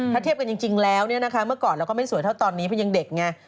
ถ้าเทียบกันจริงแล้วเนี่ยนะคะเมื่อก่อนเราก็ไม่สวยเท่าตอนนี้เพราะยังเด็กไง